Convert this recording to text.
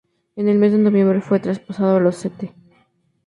En el mes de noviembre fue traspasado a los St.